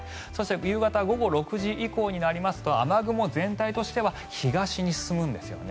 夕方午後６時以降になりますと雨雲全体としては東に進むんですよね。